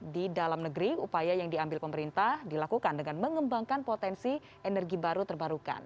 di dalam negeri upaya yang diambil pemerintah dilakukan dengan mengembangkan potensi energi baru terbarukan